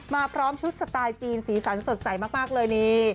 พร้อมชุดสไตล์จีนสีสันสดใสมากเลยนี่